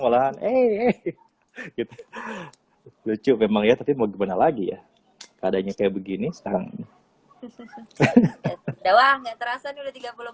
malahan eh gitu lucu memang ya tapi mau gimana lagi ya keadanya kayak begini sekarang udah tiga puluh